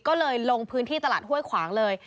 ก็เลยลงพื้นที่ตลาดห้วยขวางเลย